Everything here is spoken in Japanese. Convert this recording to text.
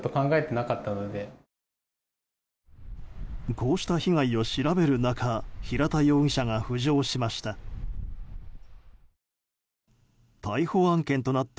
こうした被害を調べる中平田容疑者が浮上しました。